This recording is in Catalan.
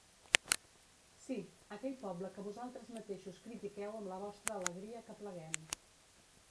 Sí, aquell poble que vosaltres mateixos critiqueu amb la vostra alegria que pleguem.